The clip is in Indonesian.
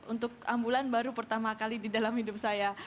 untuk ambulan baru pertama kali di dalam hidup saya